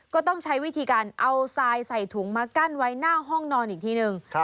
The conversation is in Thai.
ก็ต้องใช้วิธีการเอาทรายใส่ถุงมากั้นไว้หน้าห้องนอนอีกทีหนึ่ง